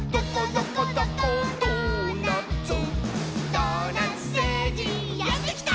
「ドーナツせいじんやってきた！」